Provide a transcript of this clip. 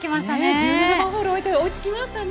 １７番ホール終えて追いつきましたね。